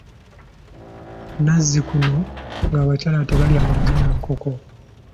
Nazzikuno ng’abakyala tebalya magi na nkoko.